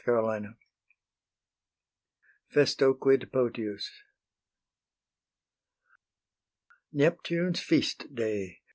XXVIII. FESTO QUID POTIUS. Neptune's feast day!